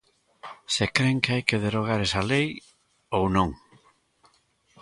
Se cren que hai que derrogar esa lei ou non.